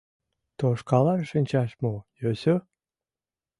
Тошкалал шинчаш мо йӧсӧ?